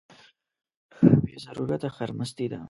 بې ضرورته خرمستي ده.